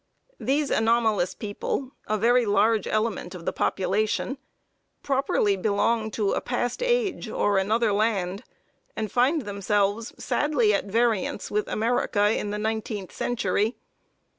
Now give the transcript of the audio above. These anomalous people a very large element of the population properly belong to a past age or another land, and find themselves sadly at variance with America in the nineteenth century.